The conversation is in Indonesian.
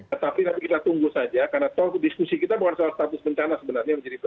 tetapi nanti kita tunggu saja karena diskusi kita bukan soal status bencana sebenarnya